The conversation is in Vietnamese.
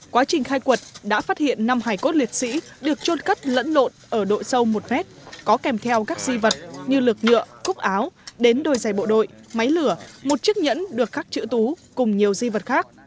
quá trình khai quật đã phát hiện năm hải cốt liệt sĩ được trôn cất lẫn lộn ở độ sâu một mét có kèm theo các di vật như lược nhựa cúc áo đến đôi giày bộ đội máy lửa một chiếc nhẫn được khắc chữ tú cùng nhiều di vật khác